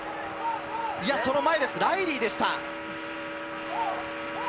その前です、ライリーでした。